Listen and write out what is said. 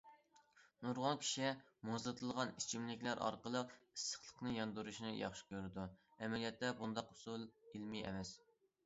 نۇرغۇن كىشى مۇزلىتىلغان ئىچىملىكلەر ئارقىلىق ئىسسىقلىقنى ياندۇرۇشنى ياخشى كۆرىدۇ، ئەمەلىيەتتە بۇنداق ئۇسۇل ئىلمىي ئەمەس.